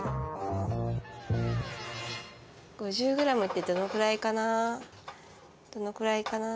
５０ｇってどのくらいかな？